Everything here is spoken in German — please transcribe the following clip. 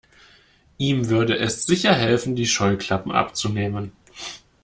Ihm würde es sicher helfen, die Scheuklappen abzunehmen.